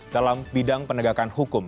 dalam bidang penegakan hukum